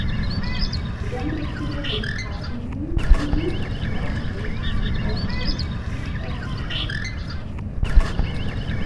Besondere Tiere sind Haselhuhn, Uhu, Schwarzspecht, Grauspecht und Schwarzstorch.